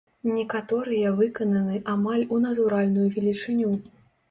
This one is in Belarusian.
Некаторыя выкананы амаль у натуральную велічыню.